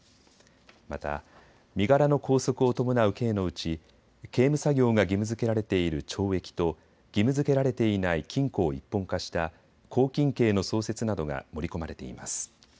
また身柄の拘束を伴う刑のうち刑務作業が義務づけられている懲役と義務づけられていない禁錮を一本化した拘禁刑の創設などが盛り込まれています。